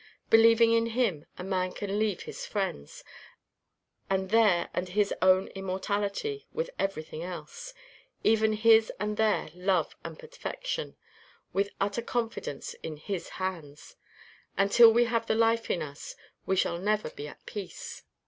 Believing in him, a man can leave his friends, and their and his own immortality, with everything else even his and their love and perfection, with utter confidence in his hands. Until we have the life in us, we shall never be at peace.